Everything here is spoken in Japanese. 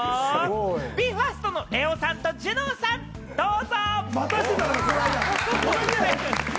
ＢＥ：ＦＩＲＳＴのＬＥＯさんとＪＵＮＯＮさん、どうぞ！